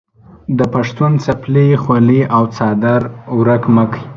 د پښتون څپلۍ، خولۍ او څادر ورک مه کې.